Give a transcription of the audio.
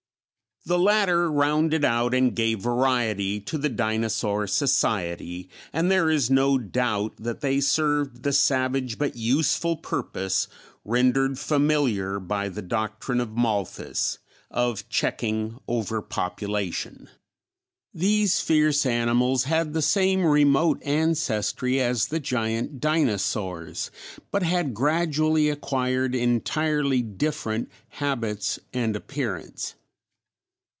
The latter rounded out and gave variety to the dinosaur society, and there is no doubt that they served the savage but useful purpose, rendered familiar by the doctrine of Malthus, of checking overpopulation. These fierce animals had the same remote ancestry as the giant dinosaurs, but had gradually acquired entirely different habits and appearance.